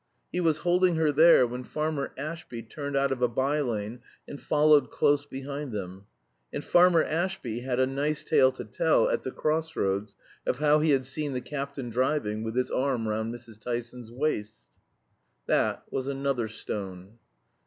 He was holding her there when Farmer Ashby turned out of a by lane and followed close behind them. And Farmer Ashby had a nice tale to tell at "The Cross Roads" of how he had seen the Captain driving with his arm round Mrs. Tyson's waist. That was another stone.